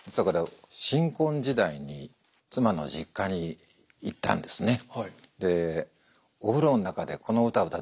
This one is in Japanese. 新婚時代に妻の実家に行ったんですね。